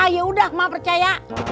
yaudah ma percaya